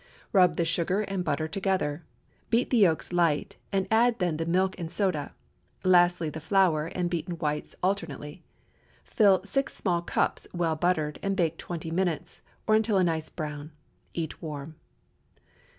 Rub the sugar and butter together; beat the yolks light, and add then the milk and soda; lastly the flour and beaten whites alternately. Fill six small cups, well buttered, and bake twenty minutes, or until a nice brown. Eat warm.